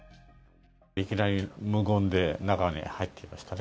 いきなり無言で中に入ってきましたね。